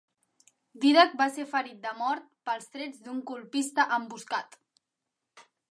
Dídac va ser ferit de mort pels trets d'un colpista emboscat.